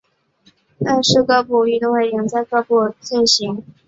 但是各部的运动会仍是在各部进行。